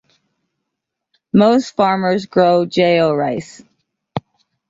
Most farmers grow Jao rice.